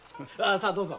さぁどうぞ。